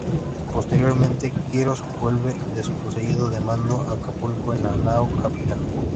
Posteriormente Quirós vuelve desposeído de mando a Acapulco en la nao capitana.